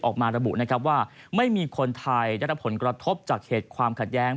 ออกมาระบุนะครับว่าไม่มีคนไทยได้รับผลกระทบจากเหตุความขัดแย้ง